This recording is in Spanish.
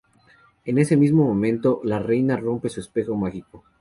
En ese mismo momento la Reina rompe su espejo mágico.